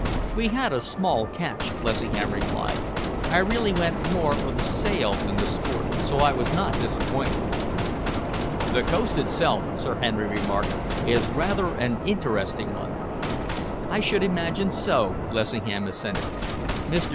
"We had a small catch," Lessingham replied. "I really went more for the sail than the sport, so I was not disappointed." "The coast itself," Sir Henry remarked, "is rather an interesting one." "I should imagine so," Lessingham assented. "Mr.